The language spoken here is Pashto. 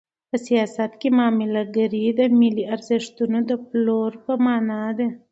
په سیاست کې معامله ګري د ملي ارزښتونو د پلورلو په مانا ده.